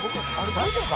大丈夫か？